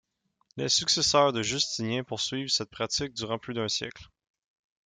Les successeurs de Justinien poursuivent cette pratique durant plus d'un siècle.